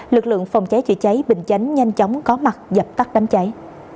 lực lượng phòng cháy chữa cháy bình chánh nhanh chóng có mặt dập tắt đám cháy